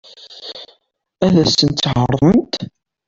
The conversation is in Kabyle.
Ad sent-t-ɛeṛḍent?